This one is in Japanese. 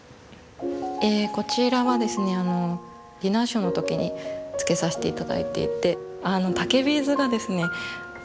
こちらはですねディナーショーの時につけさせて頂いていて竹ビーズがですね